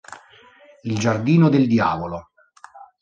Il giardino del diavolo